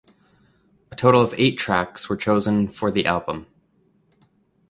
A total of eight tracks were chosen for the album.